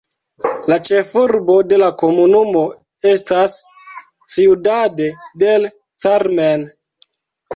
La ĉefurbo de la komunumo estas Ciudad del Carmen.